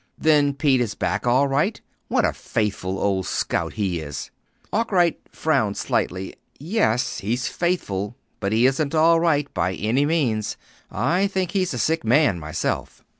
"Then Pete is back all right? What a faithful old soul he is!" Arkwright frowned slightly. "Yes, he's faithful, but he isn't all right, by any means. I think he's a sick man, myself."